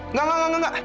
enggak enggak enggak